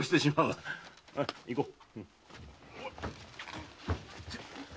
さ行こう。